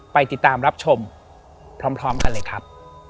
ไปติดตามรับชมพร้อมกันเลยครับ